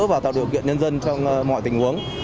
và tạo điều kiện nhân dân trong mọi tình huống